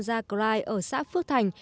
ra cry ở xã phước thành